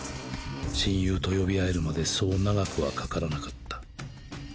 親友と呼び合えるまでそう長くはかからなかった。